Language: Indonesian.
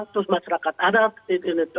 terus masyarakat adat